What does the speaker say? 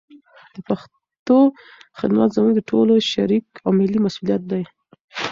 د پښتو خدمت زموږ د ټولو شریک او ملي مسولیت دی.